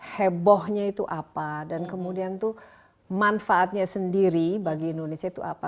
hebohnya itu apa dan kemudian itu manfaatnya sendiri bagi indonesia itu apa